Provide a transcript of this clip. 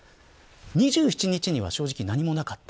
２７日には正直何もなかった。